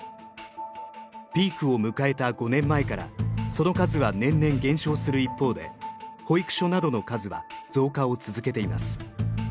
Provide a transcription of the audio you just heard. ピークを迎えた５年前からその数は年々減少する一方で保育所などの数は増加を続けています。